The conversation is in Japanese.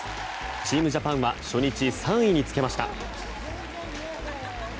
チームジャパンは初日、３位につけました。